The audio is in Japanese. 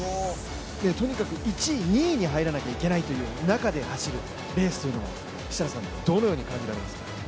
とにかく１位・２位に入らなきゃいけない中で走るレースというのは、設楽さんはどのように感じられますか？